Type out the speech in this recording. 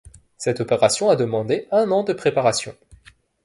Cette opération a demandé un an de préparation.